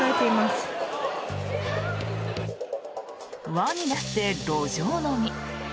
輪になって路上飲み。